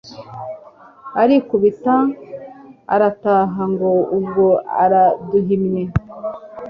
Arikubita arataha ngo ubwo araduhimye